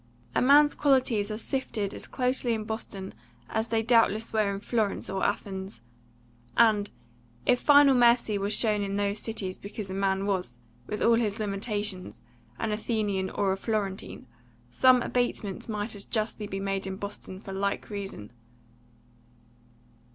A man's qualities are sifted as closely in Boston as they doubtless were in Florence or Athens; and, if final mercy was shown in those cities because a man was, with all his limitations, an Athenian or Florentine, some abatement might as justly be made in Boston for like reason.